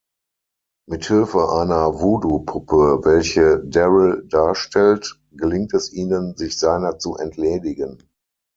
Mithilfe einer Voodoo-Puppe, welche Daryl darstellt, gelingt es ihnen, sich seiner zu entledigen.